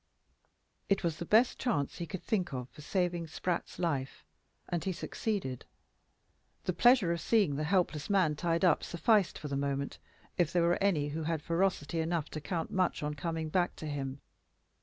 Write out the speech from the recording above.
It was the best chance he could think of for saving Spratt's life. And he succeeded. The pleasure of seeing the helpless man tied up sufficed for the moment, if there were any who had ferocity enough to count much on coming back to him.